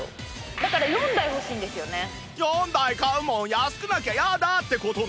４台買うもん安くなきゃやだ！って事ね